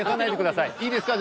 いいですか？